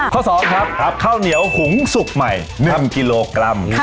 ข้อ๒ครับข้าวเหนียวหุงสุกใหม่๑กิโลกรัม